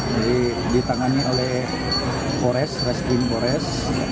jadi ditangani oleh kores reskrim kores